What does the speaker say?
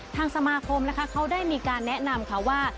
ทางสมาคมนะคะเขาได้มีการแนะนำค่ะว่า